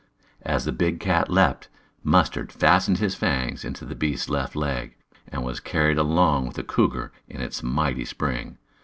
As the big cat leaped, Mustard fastened his fangs into the beast's left leg, and was carried along with the cougar in its mighty spring.